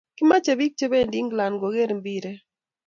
Kimache pik che pendi England koker mpiret